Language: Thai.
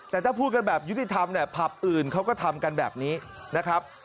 แต่ถ้าพูดกันแบบยุติธรรมเนี่ยผับอื่นเขาก็ทำกันแบบนี้นะครับ